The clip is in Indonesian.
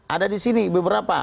ada di sini beberapa